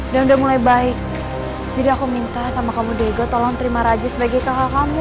dan udah mulai baik jadi aku minta sama kamu diego tolong terima raja sebagai kakak kamu